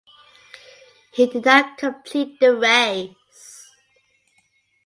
He did not complete the race.